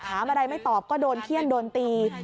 ถามอะไรไม่ตอบก็โดนเขี้ยนโดนตี